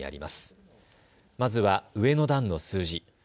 まずは上の段の数字。